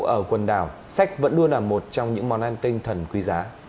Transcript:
ở quần đảo sách vẫn luôn là một trong những món ăn tinh thần quý giá